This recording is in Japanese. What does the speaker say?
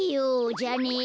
じゃあね。